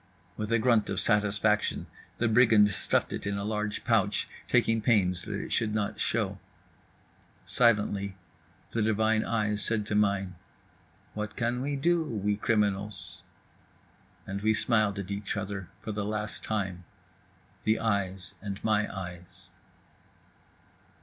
With a grunt of satisfaction the brigand stuffed it in a large pouch, taking pains that it should not show. Silently the divine eyes said to mine: "What can we do, we criminals?" And we smiled at each other for the last time, the eyes and my eyes.